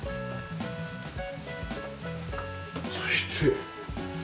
そして。